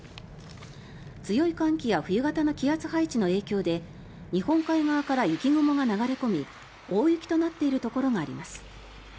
強い寒気や冬型の気圧配置の影響で日本海側から雪雲が流れ込み大雪となっているところがあります。